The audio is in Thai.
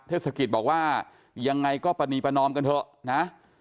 เทศกิจบอกว่ายังไงก็ปรณีประนอมกันเถอะนะ